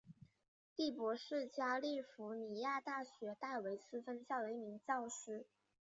第伯是加利福尼亚大学戴维斯分校的一名教师。